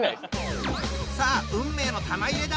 さあ運命の玉入れだ。